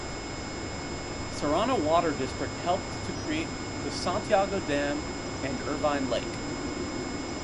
Serrano Water District helped to create the Santiago Dam and Irvine Lake.